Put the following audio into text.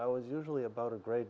pada saat itu